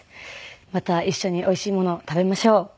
また一緒においしいものを食べましょう。